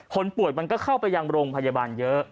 คนป่วยมันก็เข้าไปยังโรงพยาบาลเยอะ